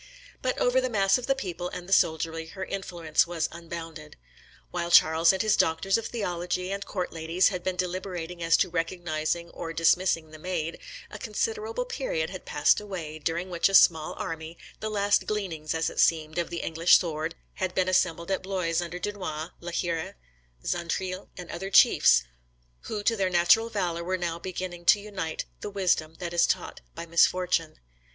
But over the mass of the people and the soldiery, her influence was unbounded. While Charles and his doctors of theology, and court ladies, had been deliberating as to recognising or dismissing the Maid, a considerable period had passed away, during which a small army, the last gleanings, as it seemed, of the English sword, had been assembled at Blois, under Dunois, La Hire, Xaintrailles, and other chiefs, who to their natural valour were now beginning to unite the wisdom that is taught by misfortune.